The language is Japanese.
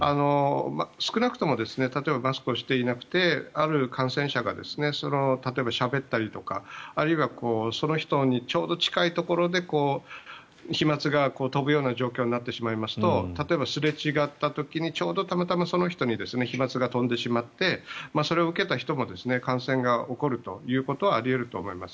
少なくとも例えばマスクをしていなくてある感染者が例えばしゃべったりとかあるいは、その人にちょうど近いところで飛まつが飛ぶような状況になってしまいますと例えばすれ違った時にちょうどたまたまその人に飛まつが飛んでしまってそれを受けた人も感染が起こるということはあり得ると思います。